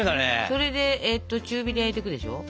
それで中火で焼いていくでしょ。